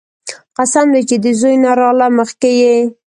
قسم دې چې د زوى نه راله مخكې يې.